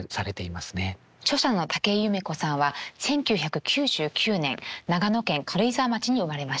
著者の竹井夢子さんは１９９９年長野県軽井沢町に生まれました。